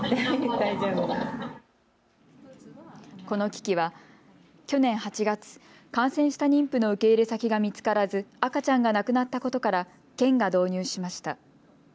この機器は去年８月、感染した妊婦の受け入れ先が見つからず赤ちゃんが亡くなったことから県が導入しました。